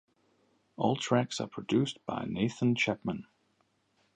All tracks are produced by Nathan Chapman.